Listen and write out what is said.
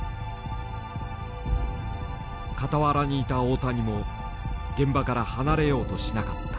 傍らにいた大谷も現場から離れようとしなかった。